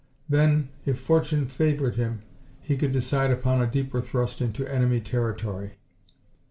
Then, if fortune favored him, he could decide upon a deeper thrust into enemy territory.